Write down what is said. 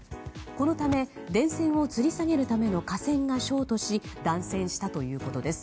このため電線をつり下げるための架線がショートし断線したということです。